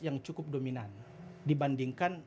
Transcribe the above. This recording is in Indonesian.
yang cukup dominan dibandingkan